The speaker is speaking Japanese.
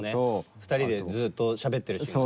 ２人でずっとしゃべってるシーンがね。